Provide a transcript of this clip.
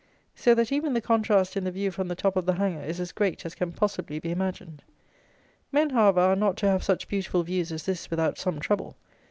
So that even the contrast in the view from the top of the hanger is as great as can possibly be imagined. Men, however, are not to have such beautiful views as this without some trouble.